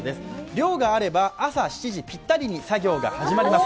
漁があれば朝７時ぴったりに作業が開始されます。